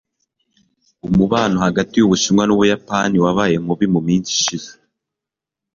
umubano hagati yubushinwa n'ubuyapani wabaye mubi mu minsi ishize